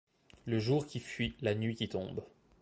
Le jour qui fuit, la nuit qui tombe